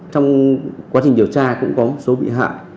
trong quá trình điều tra cũng có số bị hại